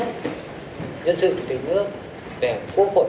nhân sự của chủ tịch nước